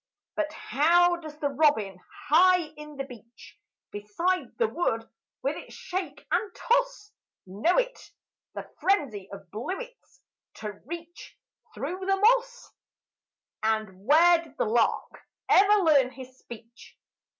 But how does the robin high in the beech, Beside the wood with its shake and toss, Know it the frenzy of bluets to reach Thro' the moss! And where did the lark ever learn his speech?